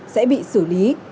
sẽ bị xử lý